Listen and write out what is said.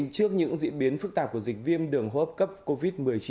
trước những diễn biến phức tạp của dịch viêm đường hô hấp cấp covid một mươi chín